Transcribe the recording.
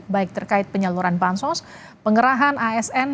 baik terkait penyaluran bansos pengerahan asn